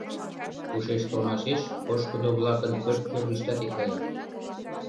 Ушеш толмашеш, пошкудо-влакын пӧрт кӧргыштат икгаяк.